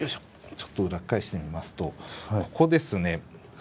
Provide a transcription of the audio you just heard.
ちょっと裏っ返してみますとここですね。